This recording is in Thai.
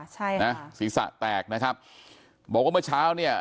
ใช่นะศีรษะแตกนะครับบอกว่าเมื่อเช้าเนี่ย